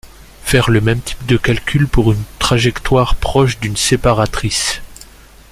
Faire le même type de calcul pour une trajectoire proche d'une séparatrice